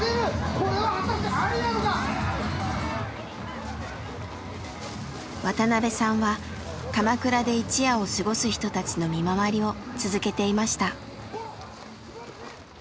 これは果たしてありなのか⁉渡邊さんはかまくらで一夜を過ごす人たちの見回りを続けていました。